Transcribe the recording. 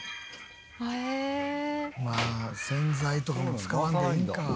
まあ洗剤とかも使わんでいいんか。